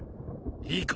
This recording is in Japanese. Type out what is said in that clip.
いいか！